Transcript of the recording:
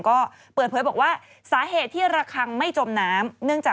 ก็เปิดเผยบอกว่าสาเหตุที่ระคังไม่จมน้ำ